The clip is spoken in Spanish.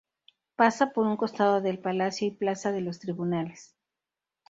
Pasa por un costado del Palacio y Plaza de los Tribunales.